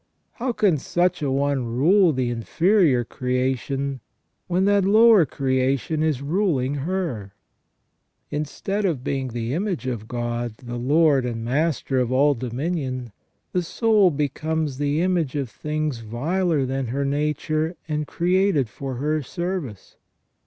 How can such an one rule the inferior creation when that lower creation is ruling her ? Instead of being the image of God, the Lord and Master of all dominion, the soul becomes the image of things viler than her nature, and created for her service.